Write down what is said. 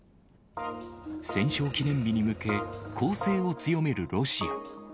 戦勝記念日に向け、攻勢を強めるロシア。